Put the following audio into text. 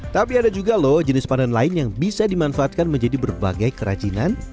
tapi ada juga loh jenis pandan lain yang bisa dimanfaatkan menjadi berbagai kerajinan